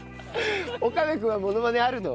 岡部君はモノマネあるの？